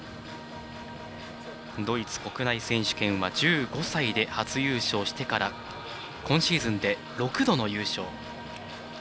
ドイツ国内選手権では１５歳で初優勝してから今シーズンで６度の優勝。